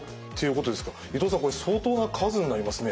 これ相当な数になりますね。